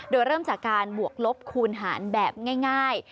โดยเริ่มจากการบวกลบคูณหารแบบง่าย